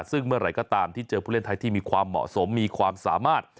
ซึ่งเมื่อไหร่ก็ตามที่เจอผู้เล่นไทยที่มีความเหมาะสมมีความสามารถ